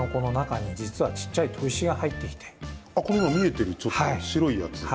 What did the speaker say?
あ、この今見えてるちょっと白いやつ？